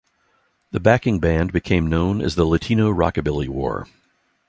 The backing band became known as The Latino Rockabilly War.